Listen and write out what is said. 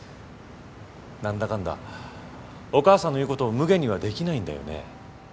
何だかんだお母さんの言うことをむげにはできないんだよね？